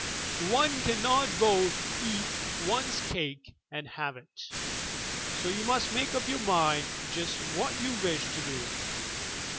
One canno^t both eat one's cake and have it I So you must make up your mind just what you wish to do.